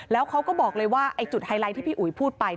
แล้วเขาก็บอกเลยว่าไอ้จุดไฮไลท์ที่พี่อุ๋ยพูดไป